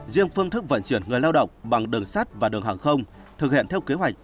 riêng phương thức vận chuyển người lao động bằng đường sắt và đường hàng không thực hiện theo kế hoạch